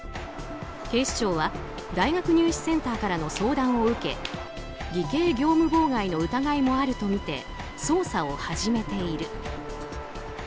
警視庁は大学入試センターからの相談を受け偽計業務妨害の疑いもあるとみて捜査を始めている。